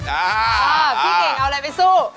พี่เก่งเอาอะไรไปสู้